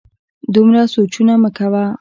دومره سوچونه مه کوه